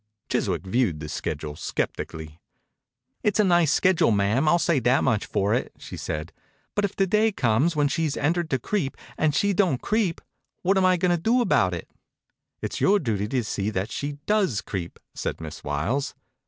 Chiswick viewed the schedule skeptically. "It's a nice schedule, mam, I'll say that much for it," she said, " but if the day comes when she's entered to creep, and she don't creep, what am I going to do about it?" 47 THE INCUBATOR BABY « It is your duty to see that she does creep," said Miss Wiles.